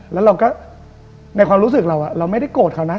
แล้วเราก็ในความรู้สึกเราเราไม่ได้โกรธเขานะ